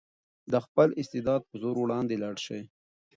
د خپل استعداد په زور وړاندې لاړ شئ.